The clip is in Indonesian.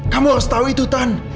kamu harus tahu itu tan